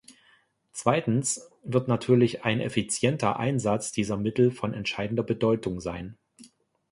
Zweitens wird natürlich ein effizienter Einsatz dieser Mittel von entscheidender Bedeutung sein.